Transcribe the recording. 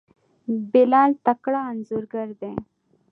بلال تکړه انځورګر دی.